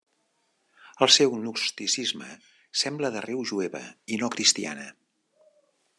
El seu gnosticisme sembla d'arrel jueva i no cristiana.